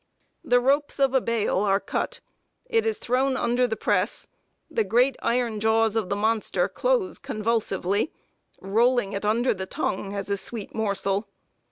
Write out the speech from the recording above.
The ropes of a bale are cut; it is thrown under the press; the great iron jaws of the monster close convulsively, rolling it under the tongue as a sweet morsel.